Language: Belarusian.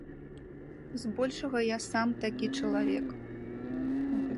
Збольшага я сам такі чалавек.